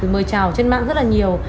mời trả lời trên mạng rất là nhiều